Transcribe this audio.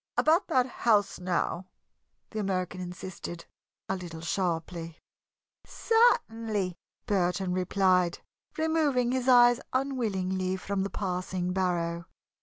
"About that house, now," the American insisted, a little sharply. "Certainly," Burton replied, removing his eyes unwillingly from the passing barrow.